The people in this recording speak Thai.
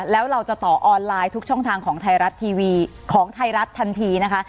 แล้วเราจะต่อออนไลน์ทุกช่องทางของไทยรัฐทันทีนะคะ